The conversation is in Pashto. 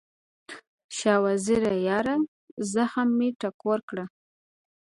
شاه وزیره یاره، زخم مې ټکور کړه